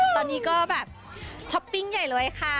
ตอนนี้ก็แบบช้อปปิ้งใหญ่เลยค่ะ